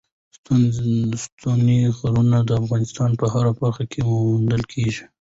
ستوني غرونه د افغانستان په هره برخه کې موندل کېږي.